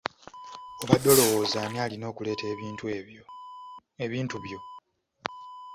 Obadde olowooza ani alina okuleeta ebintu byo?